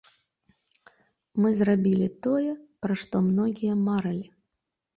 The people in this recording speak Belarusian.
Мы зрабілі тое, пра што многія марылі.